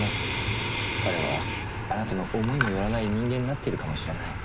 彼はあなたの思いもよらない人間になってるかもしれない。